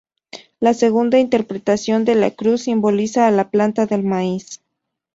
La segunda interpretación de la cruz simboliza a la planta del maíz.